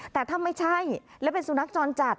แต่ถ้าไม่ใช่และเป็นสุนัขจรจัด